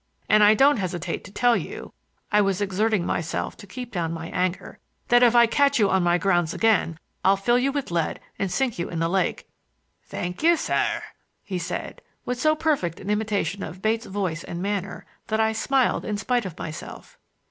And I don't hesitate to tell you,"—I was exerting myself to keep down my anger,—"that if I catch you on my grounds again I'll fill you with lead and sink you in the lake." "Thank you, sir," he said, with so perfect an imitation of Bates' voice and manner that I smiled in spite of myself.